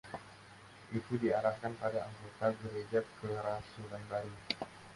Itu diarahkan pada anggota Gereja Kerasulan Baru.